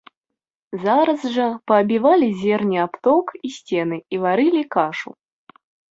Зараз жа паабівалі зерне аб ток і сцены і варылі кашу.